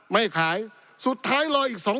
ปี๑เกณฑ์ทหารแสน๒